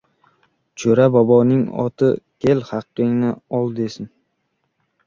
Jo‘ra boboning oti, kel, haqingni ol, desin.